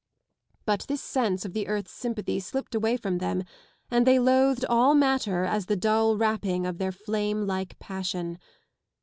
But this sense of the earth's sympathy slipped away from them and they loathed all matter as the dull wrapping of their flame like passion.